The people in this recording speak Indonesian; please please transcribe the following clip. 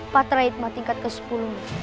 patrihikma tingkat ke sepuluh